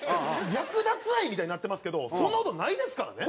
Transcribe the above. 略奪愛みたいになってますけどそんな事ないですからね。